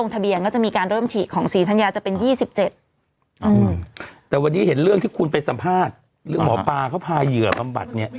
๗แต่วันนี้เห็นเรื่องที่คุณไปสัมภาษณ์มหาวาเขาภายเหยื่อบ้ำบัดเนี่ย